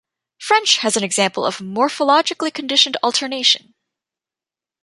French has an example of morphologically conditioned alternation.